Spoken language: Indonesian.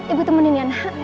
ibu temenin ya nak